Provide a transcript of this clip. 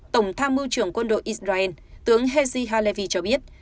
tổng tham mưu trưởng quân đội israel tướng hezi halevi cho biết